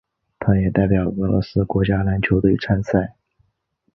他也代表俄罗斯国家篮球队参赛。